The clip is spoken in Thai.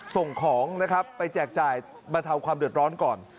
ส่งของไปแจกจ่ายบรรเทาความเดิร้อนก่อน